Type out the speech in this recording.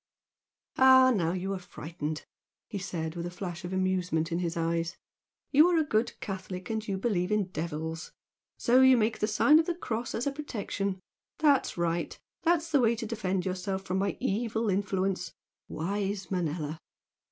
"Ah, now you are frightened!" he said, with a flash of amusement in his eyes "You are a good Catholic, and you believe in devils. So you make the sign of the cross as a protection. That's right! That's the way to defend yourself from my evil influence! Wise Manella!"